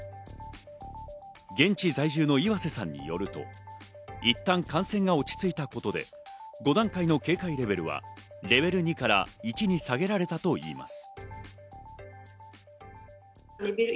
現地在住の岩瀬さんによると、いったん感染が落ち着いたことで５段階の警戒レベルはレベル２から１に下げられたといいます。